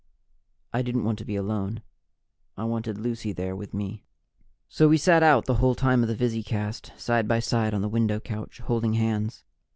I didn't want to be alone. I wanted Lucy there with me. So we sat out the whole time of the visicast, side by side on the window couch, holding hands.